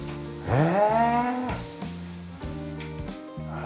へえ。